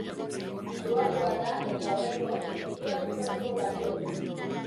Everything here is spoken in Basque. Doakoa da, eta, oraingoz, dirua trukatzeko balio du.